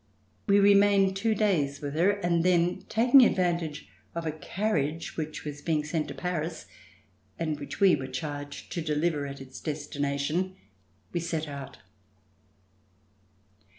We remained two days with her, and then taking advantage of a carriage which was being sent to Paris, and which we were charged to deliver at its destination, we set out.